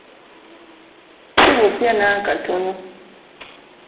Sibupya n'akatono